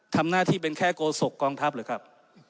ทำหน้าที่เป็นแค่โกศกองทัพหรือครับ